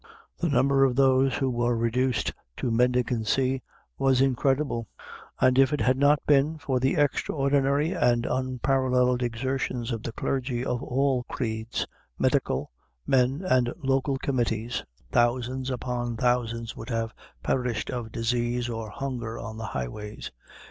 The number of those who were reduced to mendicancy was incredible, and if it had not been for the extraordinary and unparalleled exertions of the clergy of all creeds, medical, men, and local committees, thousands upon thousands would have perished of disease or hunger on the highways.